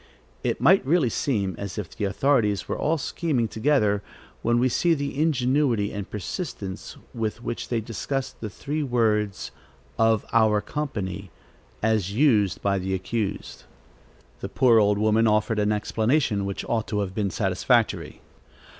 It might really seem as if the authorities were all scheming together, when we see the ingenuity and persistence with which they discussed the three words "of our company," as used by the accused. The poor old woman offered an explanation, which ought to have been satisfactory.